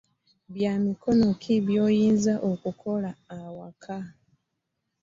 Byamikono ki byoyinza okukola awaka?